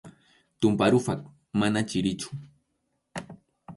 Tumpa ruphaq mana chirichu.